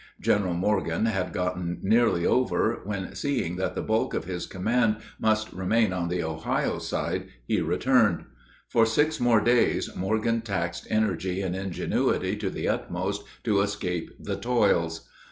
General Morgan had gotten nearly over, when, seeing that the bulk of his command must remain on the Ohio side, he returned. For six more days Morgan taxed energy and ingenuity to the utmost to escape the toils.